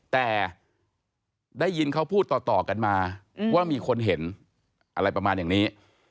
แต่ได้ยินเขาพูดต่อกันมาว่ามีคนเห็นอะไรประมาณอย่างนี้